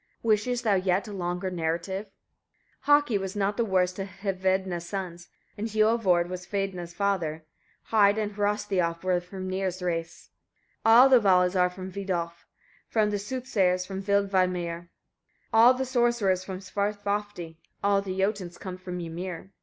Wishest thou yet a longer narrative? 32. Haki was not the worst of Hvedna's sons, and Hiorvard was Hvedna's father; Heid and Hrossthiof were of Hrimnir's race. 33. All the Valas are from Vidolf; all the soothsayers from Vilmeidr, all the sorcerers from Svarthofdi; all the Jotuns come from Ymir.